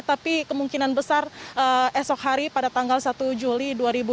tapi kemungkinan besar esok hari pada tanggal satu juli